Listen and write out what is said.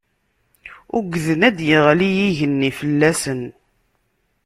Ugden ad d-yeɣli yigenni fell-asen.